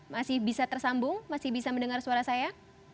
masih bisa tersambung masih bisa mendengar suara saya